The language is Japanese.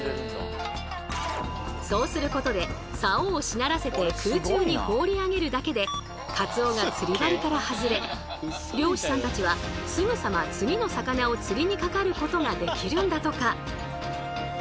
そうすることで竿をしならせて空中に放り上げるだけでカツオが釣り針から外れ漁師さんたちはすぐさま次の魚を釣りにかかることができるんだとか。